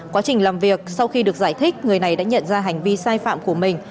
quá trình làm việc sau khi được giải thích người này đã nhận ra hành vi sai phạm của mình